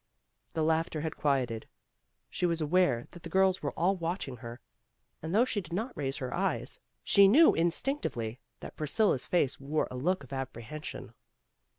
The laughter had quieted. She was aware that the girls were all watching her, and though she did not raise her eyes, she knew instinctively 258 PEGGY RAYMOND'S WAY that Priscilla's face wore a look of apprehen sion.